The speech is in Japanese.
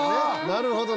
なるほど。